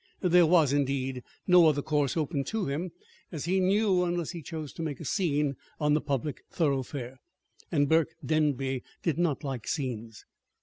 There was, indeed, no other course open to him, as he knew, unless he chose to make a scene on the public thorough fare and Burke Denby did not like scenes.